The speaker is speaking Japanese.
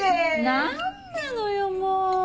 何なのよもう！